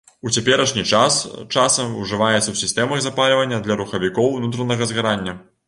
У цяперашні час часам ужываецца ў сістэмах запальвання для рухавікоў унутранага згарання.